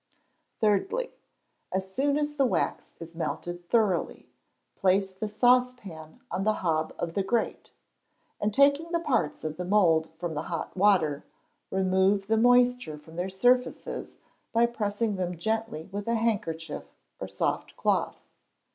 Thirdly. As soon as the wax is melted thoroughly, place the saucepan on the hob of the grate, and taking the parts of the mould from the hot water, remove the moisture from their surfaces by pressing them gently with a handkerchief or soft cloth.